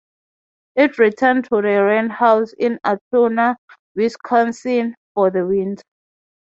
It returned to the roundhouse in Altoona, Wisconsin, for the winter.